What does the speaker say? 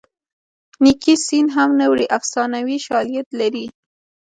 نیکي سین هم نه وړي افسانوي شالید لري